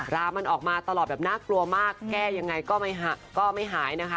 รามันออกมาตลอดแบบน่ากลัวมากแก้ยังไงก็ไม่หายนะคะ